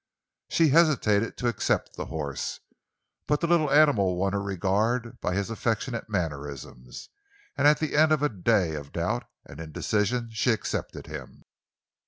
She hesitated to accept the horse; but the little animal won her regard by his affectionate mannerisms, and at the end of a day of doubt and indecision she accepted him.